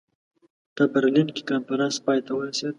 په برلین کې کنفرانس پای ته ورسېد.